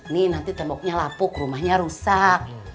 nih nanti temboknya lapuk rumahnya rusak